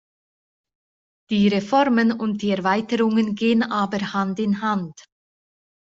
Die Reformen und die Erweiterungen gehen aber Hand in Hand.